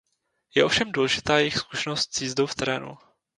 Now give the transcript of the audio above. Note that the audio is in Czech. Je ovšem důležitá jejich zkušenost s jízdou v terénu.